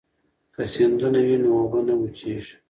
که سیندونه وي نو اوبه نه وچېږي.